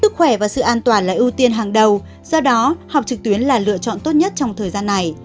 sức khỏe và sự an toàn là ưu tiên hàng đầu do đó học trực tuyến là lựa chọn tốt nhất trong thời gian này